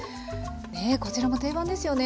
ねこちらも定番ですよね。